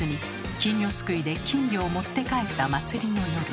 金魚すくいで金魚を持って帰った祭りの夜。